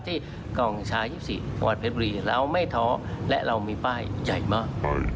ที่กองชา๒๔จังหวัดเพชรบุรีเราไม่ท้อและเรามีป้ายใหญ่มาก